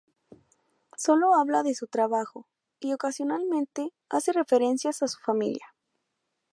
Sólo habla de su trabajo y, ocasionalmente, hace referencias a su familia.